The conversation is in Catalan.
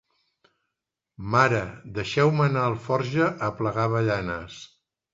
Mare, deixeu-me anar a Alforja a aplegar avellanes.